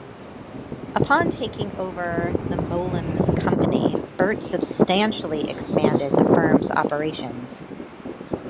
Upon taking over the Mowlem's company, Burt substantially expanded the firm's operations.